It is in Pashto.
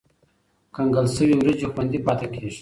کنګل شوې وریجې خوندي پاتې کېږي.